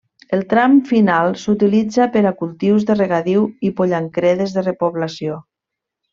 El tram final s'utilitza per a cultius de regadiu i pollancredes de repoblació.